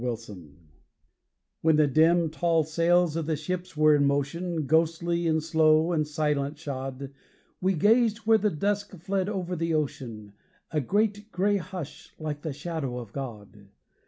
At Sea When the dim, tall sails of the ships were in motion, Ghostly, and slow, and silent shod, We gazed where the dusk fled over the ocean, A great gray hush, like the shadow of God.